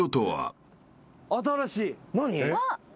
何？